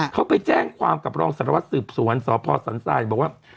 เขาไปแจ้งความกับรองสารวัตรสืบสวนสพสันทรายบอกว่า